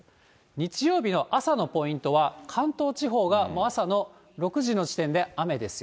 日曜日の朝のポイントは関東地方が朝の６時の時点で雨です。